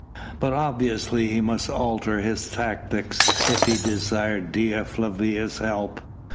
But obviously he must alter his tactics if he desired Dea Flavia's help.